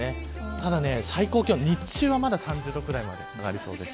ただ最高気温日中はまだ３０度くらいまで上がりそうです。